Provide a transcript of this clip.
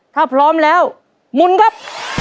ถ้าพร้อมแล้วมุนครับ